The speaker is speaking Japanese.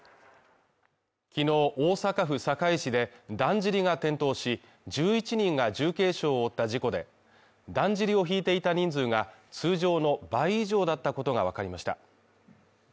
昨日大阪府堺市でだんじりが転倒し、１１人が重軽傷を負った事故で、だんじりを引いていた人数が通常の倍以上だったことがわかりました。